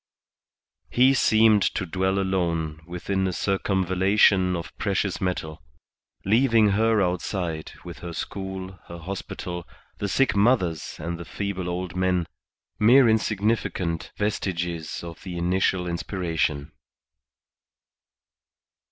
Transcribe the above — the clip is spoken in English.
He seemed to dwell alone within a circumvallation of precious metal, leaving her outside with her school, her hospital, the sick mothers and the feeble old men, mere insignificant vestiges of the initial inspiration.